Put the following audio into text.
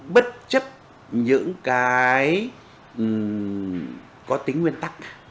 bất chấp những cái có tính nguyên tắc